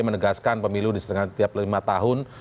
menegaskan pemilu di setengah tiap lima tahun